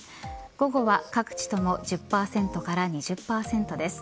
午後は各地とも１０％から２０％です。